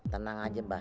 tenang aja mbah